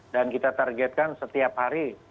dan kita targetkan setiap hari